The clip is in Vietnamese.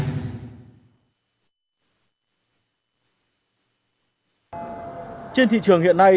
có rất nhiều dụng cụ trong gia đình mà chúng ta đang sử dụng